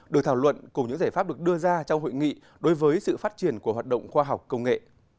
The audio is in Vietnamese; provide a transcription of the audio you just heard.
được thảo luận cùng những giải pháp được đưa ra trong hội nghị đối với sự phát triển của hoạt động khoa học công nghệ